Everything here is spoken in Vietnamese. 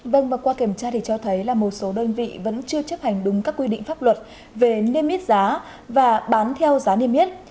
vâng và qua kiểm tra thì cho thấy là một số đơn vị vẫn chưa chấp hành đúng các quy định pháp luật về niêm yết giá và bán theo giá niêm yết